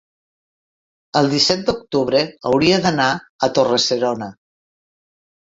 el disset d'octubre hauria d'anar a Torre-serona.